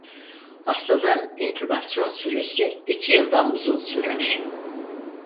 Hastalığın inkübasyon süresi iki yıldan uzun sürer.